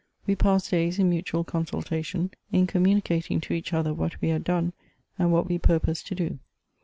We passed days in mutual consultation, in com municating to each other what we had done, and what we pur posed to do.